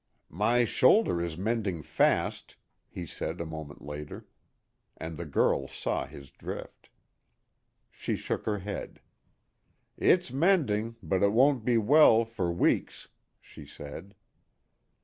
"My shoulder is mending fast," he said a moment later. And the girl saw his drift. She shook her head. "It's mending, but it won't be well for weeks," she said.